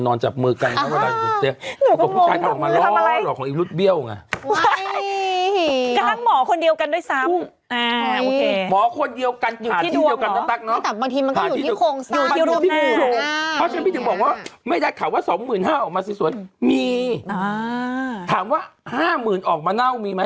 นอนจับมือกัน